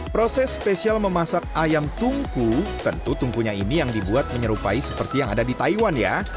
proses spesial memasak ayam tungku tentu tungkunya ini yang dibuat menyerupai seperti yang ada di taiwan ya